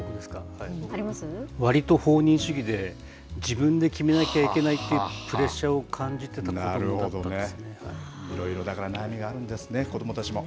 わりと放任主義で、自分で決めなきゃいけないっていうプレッシャーを感じてた子どもいろいろ、だから悩みがあるんですね、子どもたちも。